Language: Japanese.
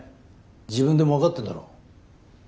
自分でも分かってんだろ？